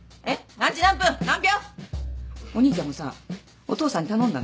何時何分何秒⁉お兄ちゃんもさお父さんに頼んだの？